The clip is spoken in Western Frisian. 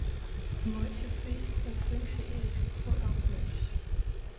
Meitsje Frysk in funksje-eask foar amtners.